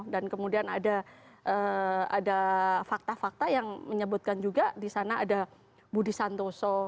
dan kemudian ada fakta fakta yang menyebutkan juga disana ada budi santoso